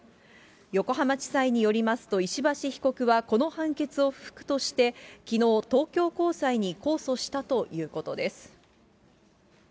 横浜地裁によりますと、石橋被告は、この判決を不服として、きのう、東京高裁に控訴したということです。